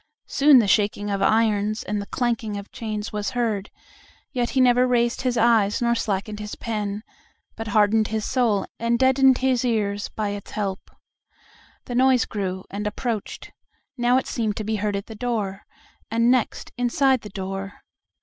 Soon the shaking of irons and the clanking of chains was heard, yet he never raised his eyes nor slackened his pen, but hardened his soul and deadened his ears by its help. The noise grew and approached: now it seemed to be heard at the door, and next inside the door.